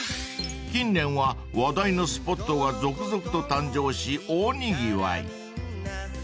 ［近年は話題のスポットが続々と誕生し大にぎわい］